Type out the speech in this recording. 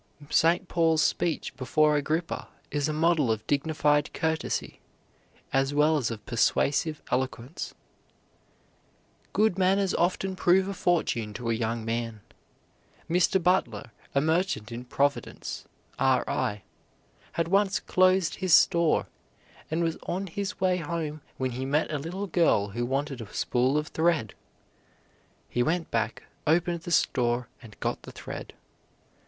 St. Paul's speech before Agrippa is a model of dignified courtesy, as well as of persuasive eloquence. Good manners often prove a fortune to a young man. Mr. Butler, a merchant in Providence, R. I., had once closed his store and was on his way home when he met a little girl who wanted a spool of thread. He went back, opened the store, and got the thread.